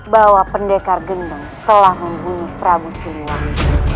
bahwa pendekar gendeng telah menghubungi prabu siliwangi